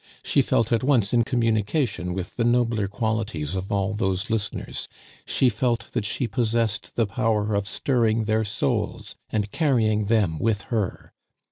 She felt at once in communication with the nobler qualities of all those listeners; she felt that she possessed the power of stirring their souls and carrying them with her.